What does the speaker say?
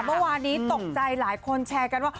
เมื่อวานนี้ตกใจหลายคนแชร์กันว่า